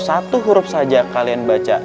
satu huruf saja kalian baca